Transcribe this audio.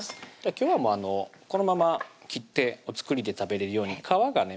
今日はこのまま切ってお造りで食べれるように皮がね